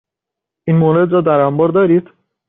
این مورد را در انبار دارید؟